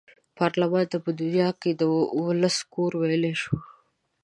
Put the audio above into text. پارلمان ته په دنیا کې د ولس کور ویلای شي.